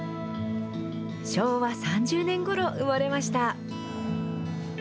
昭和３０年ごろ、生まれました。